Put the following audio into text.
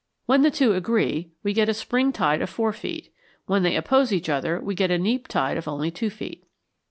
When the two agree, we get a spring tide of four feet; when they oppose each other, we get a neap tide of only two feet.